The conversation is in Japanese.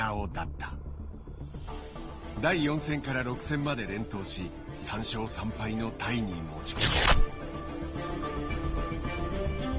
第４戦から６戦まで連投し３勝３敗のタイに持ち込んだ。